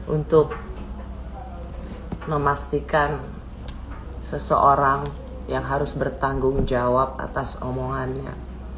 untuk memastikan seseorang yang harus bertanggung jawab atas omongannya